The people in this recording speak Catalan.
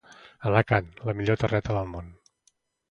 Alacant, la millor terreta del món